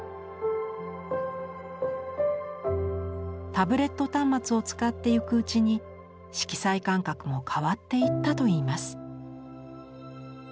タブレット端末を使ってゆくうちに色彩感覚も変わっていったといいます。